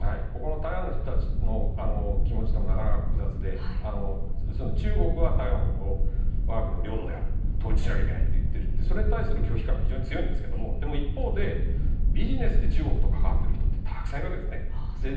台湾の人たちの気持ちはなかなか複雑で、中国は台湾を我が国の領土である統一しなきゃいけないと言ってそれに対する拒否感が非常に強いんですけどもでも、一方でビジネスで中国と関わる人はたくさんいるわけですね。